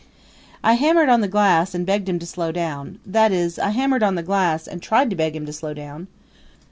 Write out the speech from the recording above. I hammered on the glass and begged him to slow down that is, I hammered on the glass and tried to beg him to slow down.